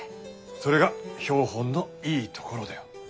それが標本のいいところだよ。